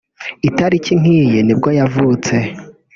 itariki nk'iyi ni bwo yavutse